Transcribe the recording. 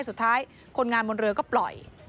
สุดท้ายคนงานบนเรือก็ปล่อย